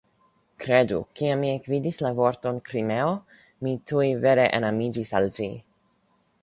Kredu, kiam mi ekvidis la vorton "Krimeo" mi tuj vere enamiĝis al ĝi.